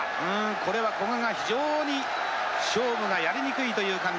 これは古賀が非常に勝負がやりにくいという感じ。